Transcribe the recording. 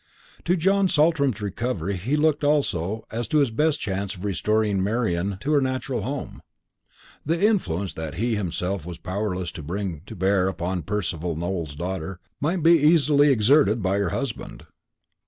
To John Saltram's recovery he looked also as to his best chance of restoring Marian to her natural home. The influence that he himself was powerless to bring to bear upon Percival Nowell's daughter might be easily exerted by her husband.